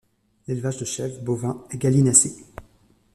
L’élevage de chèvres, bovins et gallinacés.